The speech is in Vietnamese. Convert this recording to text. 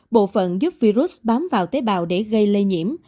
bộ phận giúp virus bám vào tế bào để gây lây nhiễm